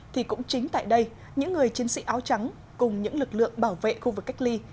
thì cũng chính tại đây những người chiến sĩ áo trắng cùng những lực lượng bảo vệ khu vực cách ly